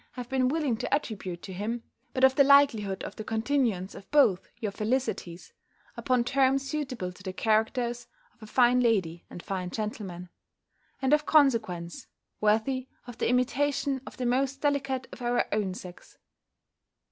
have been willing to attribute to him, but of the likelihood of the continuance of both your felicities, upon terms suitable to the characters of a fine lady and fine gentleman: and, of consequence, worthy of the imitation of the most delicate of our own sex.